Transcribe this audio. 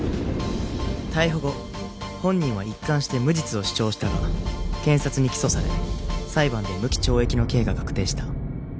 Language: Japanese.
逮捕後本人は一貫して無実を主張したが検察に起訴され裁判で無期懲役の刑が確定した。